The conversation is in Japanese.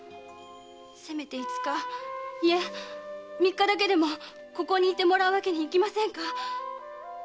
せめて五日いえ三日だけでもここに居てもらうわけにいきませんか？